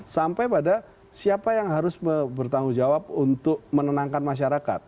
sampai pada siapa yang harus bertanggung jawab untuk menenangkan masyarakat